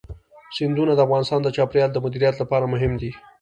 سیندونه د افغانستان د چاپیریال د مدیریت لپاره مهم دي.